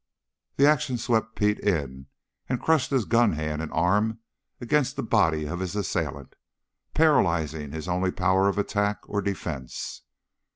The action swept Pete in and crushed his gun hand and arm against the body of his assailant, paralyzing his only power of attack or defense.